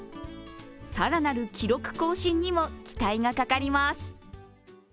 更なる記録更新にも期待がかかります。